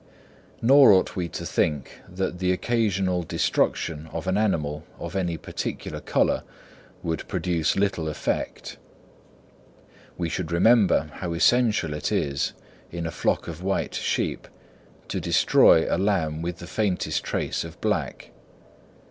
Nor ought we to think that the occasional destruction of an animal of any particular colour would produce little effect; we should remember how essential it is in a flock of white sheep to destroy a lamb with the faintest trace of black.